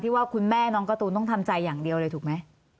ว่าคุณแม่น้องการ์ตูนต้องทำใจอย่างเดียวเลยถูกไหม